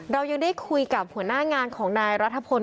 เรายังได้คุยกับหัวหน้างานของนายรัฐพล